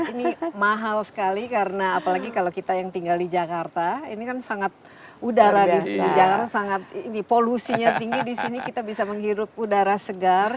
ini mahal sekali karena apalagi kalau kita yang tinggal di jakarta ini kan sangat udara di jakarta sangat ini polusinya tinggi di sini kita bisa menghirup udara segar